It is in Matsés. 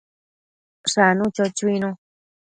Shanu, cho chuinu